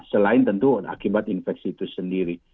selain tentu akibat infeksi itu sendiri